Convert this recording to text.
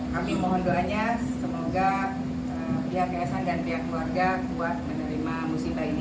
kami mohon doanya semoga pihak ksn dan pihak keluarga kuat menerima musibah ini